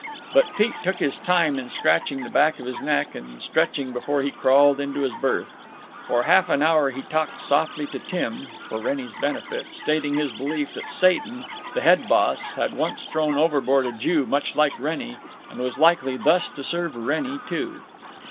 But Pete took his time in scratching the back of his neck and stretching before he crawled into his berth. For half an hour he talked softly to Tim, for Wrennie's benefit, stating his belief that Satan, the head boss, had once thrown overboard a Jew much like Wrennie, and was likely thus to serve Wrennie, too.